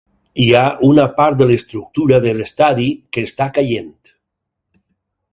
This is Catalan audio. Hi ha una part de l’estructura de l’estadi que està caient.